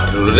buk buk buk